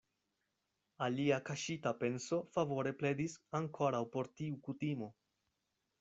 Alia kaŝita penso favore pledis ankoraŭ por tiu kutimo.